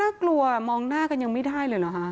กลัวมองหน้ากันยังไม่ได้เลยเหรอคะ